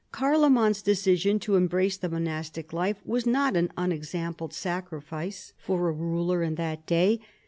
Carloman's decision to embrace the monastic life was not an unexampled sacrifice for a ruler in that day.